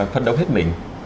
phân đấu hết mình